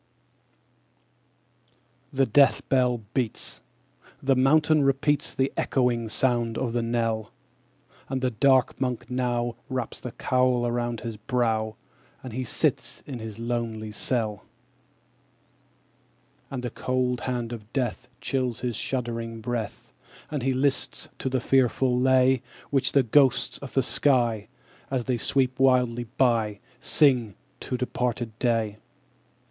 The death bell beats! The mountain repeats The echoing sound of the knell; And the dark Monk now Wraps the cowl round his brow, _5 As he sits in his lonely cell. 2. And the cold hand of death Chills his shuddering breath, As he lists to the fearful lay Which the ghosts of the sky, _10 As they sweep wildly by, Sing to departed day.